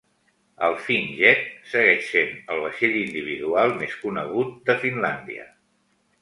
El "Finnjet" segueix sent el vaixell individual més conegut de Finlàndia.